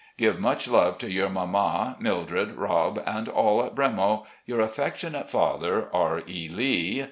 Give much love to your mamma, Mildred, Rob, and all at 'Bremo.' " Your affectionate father, "R. E. Lee.